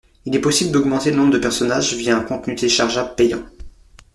Il est possible d'augmenter le nombre de personnages via un contenu téléchargeable payant.